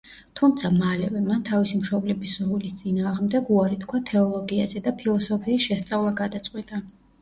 თუმცა, მალევე, მან თავისი მშობლების სურვილის წინააღმდეგ, უარი თქვა თეოლოგიაზე და ფილოსოფიის შესწავლა გადაწყვიტა.